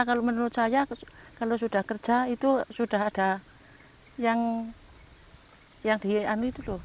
kalau menurut saya kalau sudah kerja itu sudah ada yang dihian itu tuh